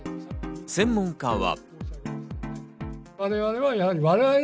専門家は。